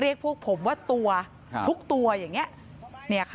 เรียกพวกผมว่าตัวทุกตัวอย่างนี้